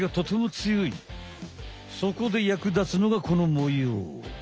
そこで役立つのがこの模様。